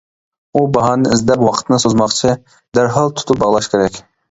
ئۇ باھانە ئىزدەپ ۋاقىتنى سوزماقچى، دەرھال تۇتۇپ باغلاش كېرەك.